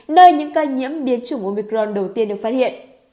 nơi những ca nhiễm biến chủng omicron đầu tiên được phát hiện